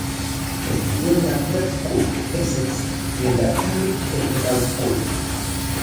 Estudió en una "Prep school" de Essex y en la "Cambridge Technical School".